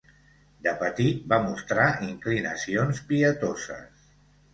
De petit va mostrar inclinacions pietoses.